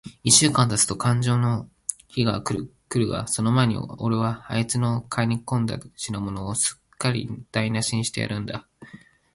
一週間たつとかんじょうの日が来るが、その前に、おれはあいつの買い込んだ品物を、すっかりだいなしにしてやるんだ。